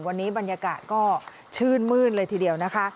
วันนี้บรรยากาศก็ชื่นมืดเลยทีเดียวนะคะ